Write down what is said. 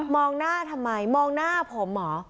หน้าทำไมมองหน้าผมเหรอ